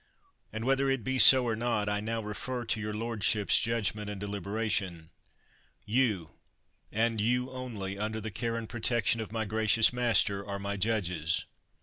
And whether it be so or not, I now refer to your lordships' judgment and delibera tion. You, and you only, under the care and protection of my gracious master, are my judges.